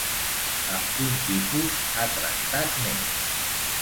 Amb quin tipus ha tractat més?